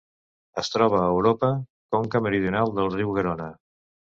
Es troba a Europa: conca meridional del riu Garona.